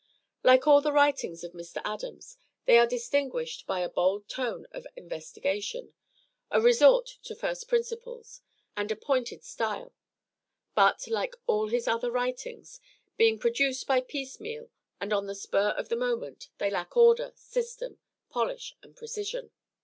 Like all the writings of Mr. Adams, they are distinguished by a bold tone of investigation, a resort to first principles, and a pointed style; but, like all his other writings, being produced by piecemeal, and on the spur of the moment, they lack order, system, polish and precision.